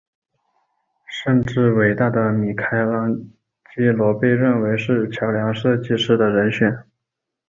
甚至伟大的米开朗基罗被认为是桥梁设计师的人选。